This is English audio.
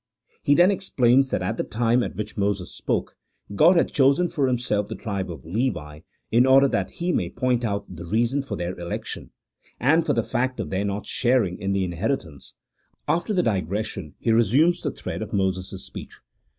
He then explains that at the time at which Moses spoke, God had chosen for Himself the tribe of Levi in order that He may point out the reason for their election, and for the fact of their not sharing in the inheritance; after this digression, he resumes the thread of Moses' speech.